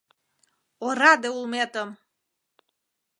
Ораде улметым!